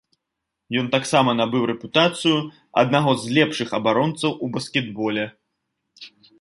Ён таксама набыў рэпутацыю аднаго з лепшых абаронцаў у баскетболе.